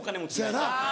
そやな。